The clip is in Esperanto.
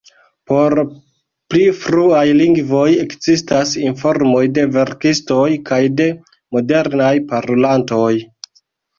Por pli fruaj lingvoj ekzistas informoj de verkistoj kaj de modernaj parolantoj.